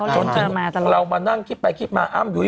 จนถึงเรามานั่งคิดไปคิดมาอ้ำยุ้ย